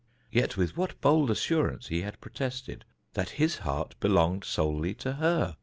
Yet with what bold assurance he had protested that his heart belonged solely to her.